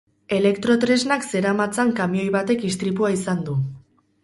Elektrotresnak zeramatzan kamioi batek istripua izan du.